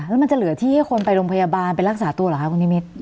แล้วมันจะเหลือที่ให้คนไปโรงพยาบาลไปรักษาตัวเหรอคะคุณนิมิตร